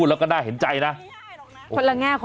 เราพาเด็กมารอเล่ร้อนแบบ